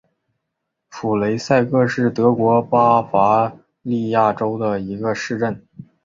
普雷塞克是德国巴伐利亚州的一个市镇。